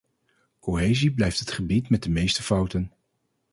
Cohesie blijft het gebied met de meeste fouten.